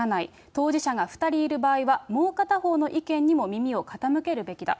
当事者が２人いる場合は、もう片方の意見にも耳を傾けるべきだ。